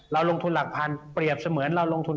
เราลงทุนหลักพันเปรียบเสมือนเราลงทุน